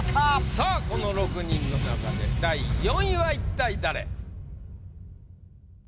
さぁこの６人の中で第４位は一体誰？